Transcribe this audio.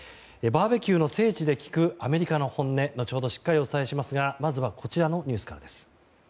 バーベキューの聖地で聞くアメリカの本音後ほどしっかりお伝えしますがまずはこちらのニュースからです。